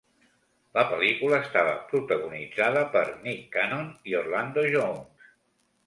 La pel·lícula estava protagonitzada per Nick Cannon i Orlando Jones.